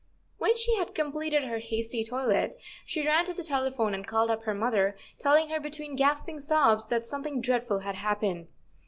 When she had completed her hasty toilet, she ran to the telephone and called up her mother, telling her between gasping sobs that something dreadful had happened.